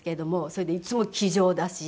それでいつも気丈だし。